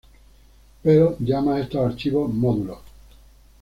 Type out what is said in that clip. Perl llama a estos archivos módulos.